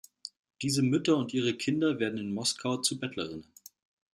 Diese Mütter und ihre Kinder werden in Moskau zu Bettlerinnen.